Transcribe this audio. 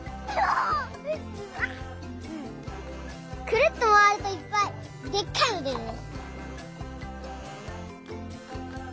くるっとまわるといっぱいでっかいのでるね。